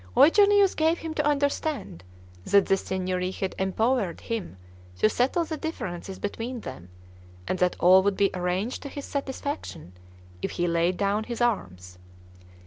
Eugenius gave him to understand, that the Signory had empowered him to settle the differences between them, and that all would be arranged to his satisfaction, if he laid down his arms.